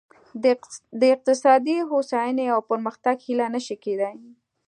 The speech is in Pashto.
د اقتصادي هوساینې او پرمختګ هیله نه شي کېدای.